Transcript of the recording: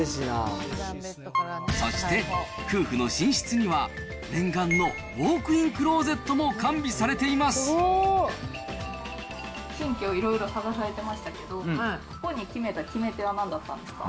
そして、夫婦の寝室には念願のウォークインクローゼットも完備されていま新居、いろいろ探されてましたけど、ここに決めた決め手はなんだったんですか？